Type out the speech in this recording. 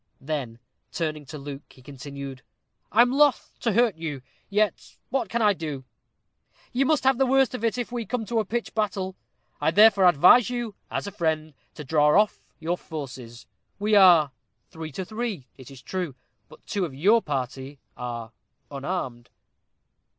Then, turning to Luke, he continued, "I'm loth to hurt you; yet what can I do? You must have the worst of it if we come to a pitched battle. I therefore advise you, as a friend, to draw off your forces. We are three to three, it is true; but two of your party are unarmed."